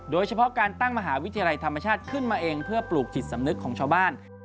โดยเฉพาะการตั้งมหาวิทยาลัยธรรมชาติขึ้นมาเองเพื่อปลูกจิตสำนึกของชาวบ้าน